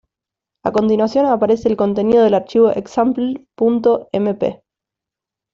A continuación aparece el contenido del archivo example.mp.